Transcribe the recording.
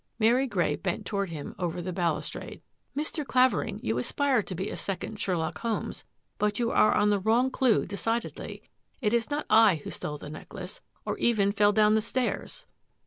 '* Mary Grey bent toward him over the balustrade. " Mr. Clavering, you aspire to be a second Sher lock Holmes, but you are on the wrong clue de cidedly. It is not I who stole the necklace, or even fell down the stairs."